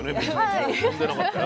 踏んでなかったよ。